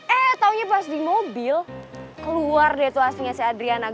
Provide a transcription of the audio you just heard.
eh taunya pas di mobil keluar deh tuh aslinya si adriana